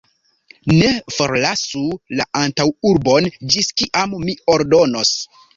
Ne forlasu la antaŭurbon, ĝis kiam mi ordonos!